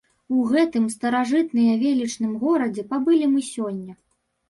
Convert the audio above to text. У гэтым старажытныя велічным горадзе пабылі мы сёння.